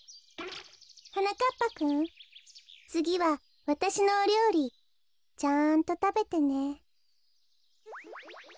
はなかっぱくんつぎはわたしのおりょうりちゃんとたべてね。